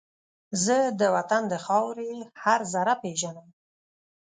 زه د وطن د خاورې هر زره پېژنم